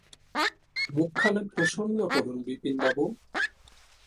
মুখখানা প্রসন্ন করুন বিপিনবাবু!